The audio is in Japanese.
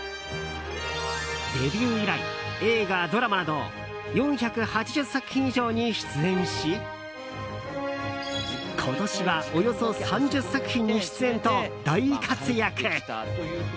デビュー以来映画、ドラマなど４８０作品以上に出演し今年はおよそ３０作品に出演と大活躍！